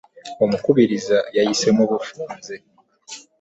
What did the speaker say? Omukubiriza yayise mu bufunze.